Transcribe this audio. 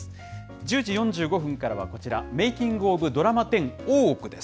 １０時４５分からはこちら、メイキングオブドラマ１０大奥です。